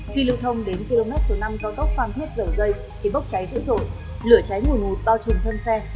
khi lực thông đến km số năm cao tốc phan thiết dầu dây kế bốc cháy dữ dội lửa cháy ngủi ngủi bao trùm thân xe